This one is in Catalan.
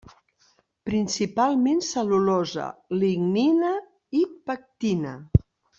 Principalment cel·lulosa, lignina i pectina.